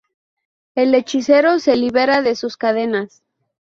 El hechicero se libera de sus cadenas.